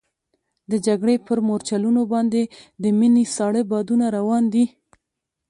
د جګړې پر مورچلونو باندې د مني ساړه بادونه روان دي.